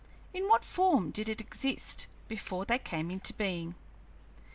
In what form did it exist before they came into being?"